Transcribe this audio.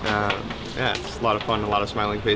ya banyak yang menyenangkan banyak yang menyenangkan